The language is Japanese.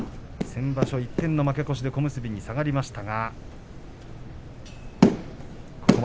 先場所、負け越しで小結に下がりました。